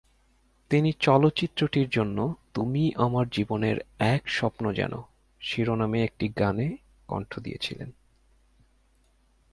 তিনি চলচ্চিত্রটির জন্য "তুমি আমার জীবনের এক স্বপ্ন যেন" শিরোনামের একটি গানে কণ্ঠ দিয়েছিলেন।